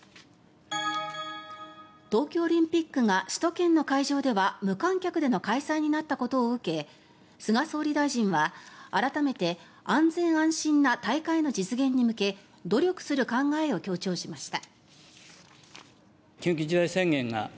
東京オリンピックが首都圏の会場では無観客での開催になったことを受け菅総理大臣は改めて安全安心な大会の実現に向け努力する考えを強調しました。